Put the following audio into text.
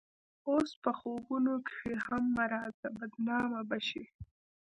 اوس په خوبونو کښې هم مه راځه بدنامه به شې